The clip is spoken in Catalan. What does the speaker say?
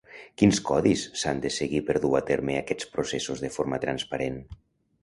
Quins codis s'han de seguir per dur a terme aquests processos de forma transparent?